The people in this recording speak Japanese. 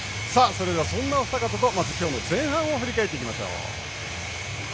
そんなお二方とまず、今日の前半を振り返ってまいりましょう。